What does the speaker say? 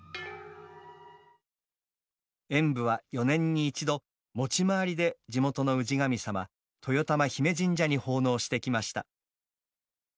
演舞は４年に１度持ち回りで地元の氏神様豊玉姫神社に奉納してきました。